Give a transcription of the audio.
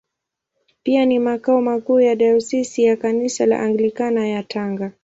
Pia ni makao makuu ya Dayosisi ya Kanisa la Anglikana ya Tanga.